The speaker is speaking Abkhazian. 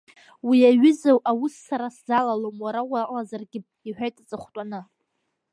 Уи аҩыза аус сара сзалалом, уара уалазаргьы, — иҳәеит аҵыхәтәаны.